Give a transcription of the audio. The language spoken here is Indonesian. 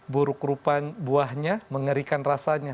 buruk rupa buahnya mengerikan rasanya